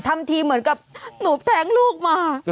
ทำทีเหมือนกับหนูแท้งลูกมา